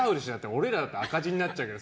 俺らじゃ赤字になっちゃうけど。